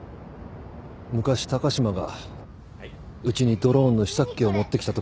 昔高島がうちにドローンの試作機を持ってきたときのことを。